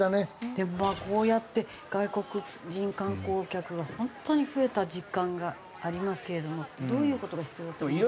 でもまあこうやって外国人観光客が本当に増えた実感がありますけれどもどういう事が必要だと思います？